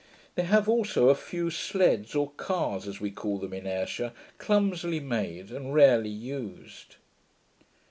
They have also a few sleds, or cars, as we call them in Ayrshire, clumsily made, and rarely used.